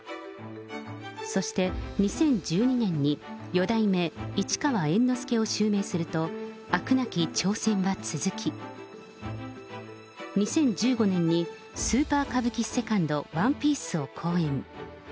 そして、２０１２年に四代目市川猿之助を襲名すると、飽くなき挑戦は続き、２０１５年にスーパー歌舞伎セカンドＯＮＥＰＩＥＣＥを公演。